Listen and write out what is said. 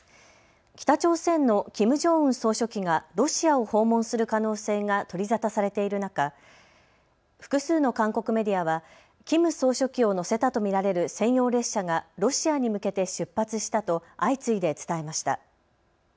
北朝鮮のキム・ジョンウン総書記がロシアを訪問する可能性が取り沙汰されている中、複数の韓国メディアはキム総書記を乗せたと見られる専用列車がロシアに向けて出発したと相次いで伝えました。